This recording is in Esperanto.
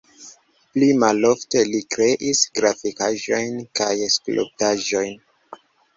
Pli malofte li kreis grafikaĵojn kaj skulptaĵojn.